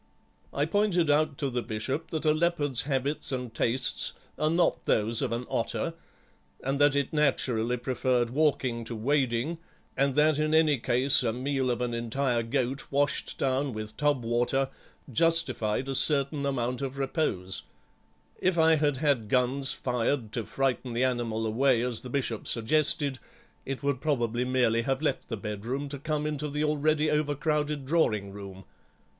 I pointed out to the Bishop that a leopard's habits and tastes are not those of an otter, and that it naturally preferred walking to wading; and that in any case a meal of an entire goat, washed down with tub water, justified a certain amount of repose; if I had had guns fired to frighten the animal away, as the Bishop suggested, it would probably merely have left the bedroom to come into the already over crowded drawing room.